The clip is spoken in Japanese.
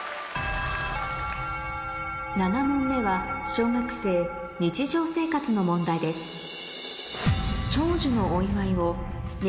７問目は小学生日常生活の問題ですえ！